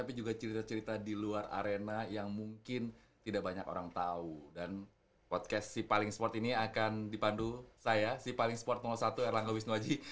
bisa begitu penganeian yang berbuah manis